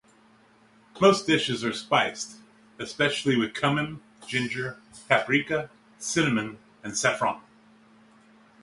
Most dishes are spiced, especially with cumin, ginger, paprika, cinnamon and saffron.